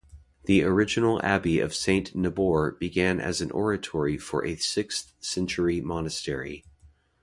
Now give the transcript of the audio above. The original Abbey of Saint Nabor began as an oratory for a sixth-century monastery.